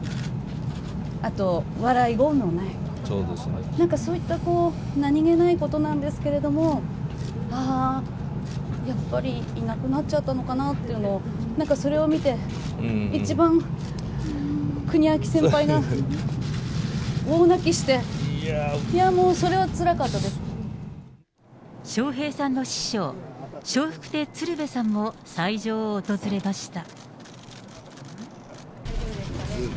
あと笑い声もない、なんかそういった何気ないことなんですけれども、ああ、やっぱりいなくなっちゃったのかなっていうのを、なんか、それを見て、一番、国明先輩が大泣きして、いや、笑瓶さんの師匠、笑福亭鶴瓶さんも斎場を訪れました。